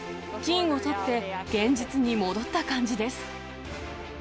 金をとって現実に戻った感じです。